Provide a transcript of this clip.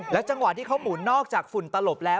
จังหวะที่เขาหมุนนอกจากฝุ่นตลบแล้ว